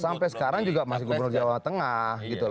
sampai sekarang juga masih gubernur jawa tengah